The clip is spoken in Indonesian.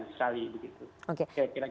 sekali begitu oke